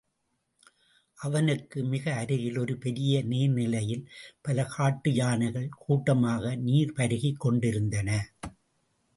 அவனுக்கு மிக அருகில் ஒரு பெரிய நீர்நிலையில் பல காட்டு யானைகள் கூட்டமாக நீர் பருகிக் கொண்டிருந்தன.